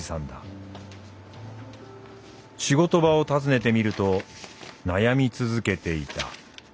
仕事場を訪ねてみると悩み続けていた。